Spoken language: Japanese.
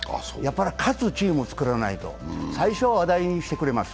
勝つチームを作らないと、最初は話題にしてくれます。